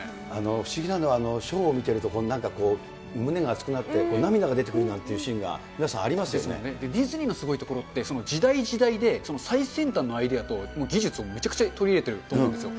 不思議なのは、ショーを見てるとなんかこう、胸が熱くなって、涙が出てくるなんてシーンが皆さディズニーのすごいところって、時代時代で最先端のアイデアと技術をめちゃくちゃ取り入れてることなんですよ。